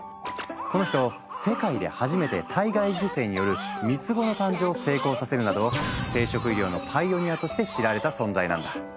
この人世界で初めて体外受精による三つ子の誕生を成功させるなど生殖医療のパイオニアとして知られた存在なんだ。